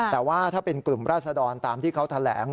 แต่ว่าถ้าเป็นกลุ่มราศดรตามที่เขาแถลง